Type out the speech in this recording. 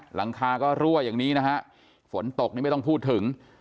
หลังคาก็รั่วอย่างนี้นะฮะฝนตกนี่ไม่ต้องพูดถึง